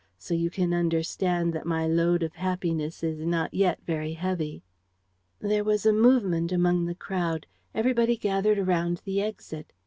... So you can understand that my load of happiness is not yet very heavy." There was a movement among the crowd. Everybody gathered around the exit.